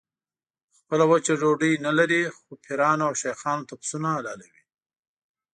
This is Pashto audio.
خپله وچه ډوډۍ نه لري خو پیرانو او شیخانو ته پسونه حلالوي.